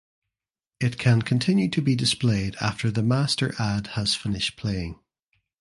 It can continue to be displayed after the master ad has finished playing.